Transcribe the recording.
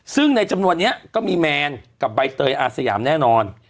ซึ่งในจำนวนนี้ก็มีแมนกับใบเตยอาสยามแน่นอน